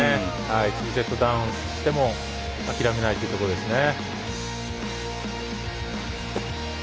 ２セットダウンしても諦めないところですね。